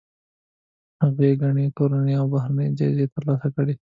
هغې ګڼې کورنۍ او بهرنۍ جایزې ترلاسه کړي.